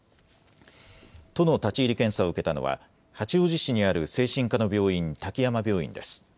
都の立ち入り検査を受けたのは八王子市にある精神科の病院、滝山病院です。